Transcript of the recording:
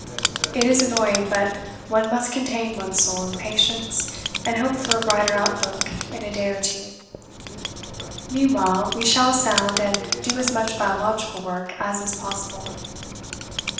It is annoying, but one must contain one's soul in patience and hope for a brighter outlook in a day or two. Meanwhile we shall sound and do as much biological work as is possible.